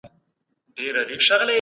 موږ باید دا ساه بنده نه کړو.